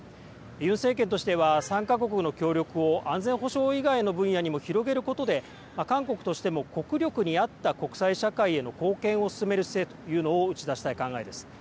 ユン政権としては、３か国の協力を安全保障以外の分野にも広げることで、韓国としても国力に合った国際社会への貢献を進める姿勢というのを打ち出したい考えです。